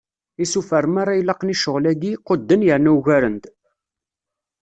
Isufar meṛṛa ilaqen i ccɣel-agi, qudden yerna ugaren-d.